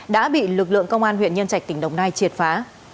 đã bị lực lượng công an huyện nhân trạch tỉnh đồng nai triệt phá